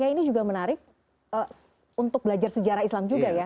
jadi ini juga menarik untuk belajar sejarah islam juga ya